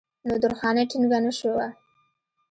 نو درخانۍ ټينګه نۀ شوه